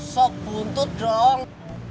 sok buntut dong